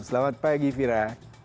selamat pagi vira